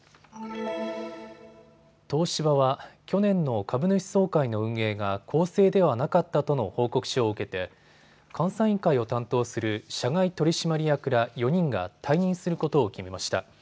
東芝は去年の株主総会の運営が公正ではなかったとの報告書を受けて監査委員会を担当する社外取締役ら４人が退任することを決めました。